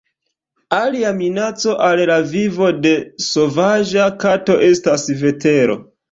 Alia minaco al la vivo de sovaĝa kato estas vetero.